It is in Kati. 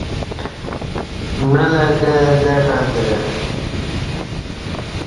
معلہ کں دش اندرہ